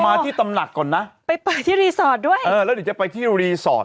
ที่ตำหนักก่อนนะไปเปิดที่รีสอร์ทด้วยเออแล้วเดี๋ยวจะไปที่รีสอร์ท